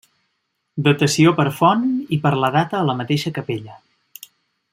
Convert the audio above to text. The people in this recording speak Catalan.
Datació per font i per la data a la mateixa capella.